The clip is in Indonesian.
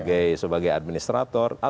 dan itu banyak terjadi faktor faktor itu pak